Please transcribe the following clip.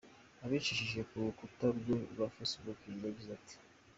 Abicishije ku rukuta rwe rwa facebook yagize ati: